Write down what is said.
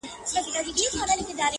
چي په لاره کي څو ځلي سوله ورکه٫